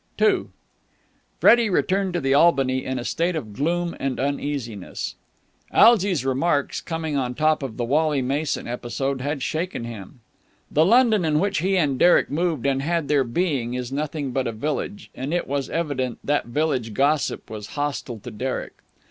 II Freddie returned to the Albany in a state of gloom and uneasiness. Algy's remarks, coming on top of the Wally Mason episode, had shaken him. The London in which he and Derek moved and had their being is nothing but a village, and it was evident that village gossip was hostile to Derek.